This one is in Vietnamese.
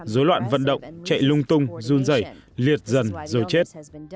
rối loạn vận động chạy lung tung run dẩy liệt dần rồi chết